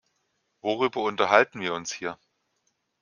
Worüber unterhalten wir uns hier?